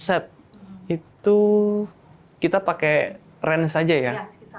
omset itu kita pakai range saja ya